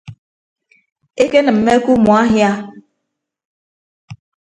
Ekenịmme ke umuahia.